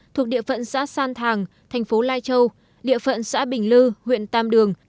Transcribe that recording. thuộc địa phận xã san thàng thành phố lai châu địa phận xã bình lư huyện tam đường